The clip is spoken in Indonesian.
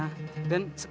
ibu dari mana